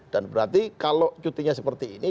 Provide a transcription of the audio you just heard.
dan berarti kalau cutinya seperti ini